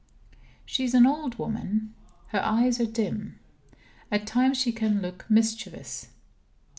She is an old woman; her eyes are dim. At times, she can look mischievous.